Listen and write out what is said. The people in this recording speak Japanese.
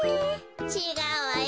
ちがうわよ。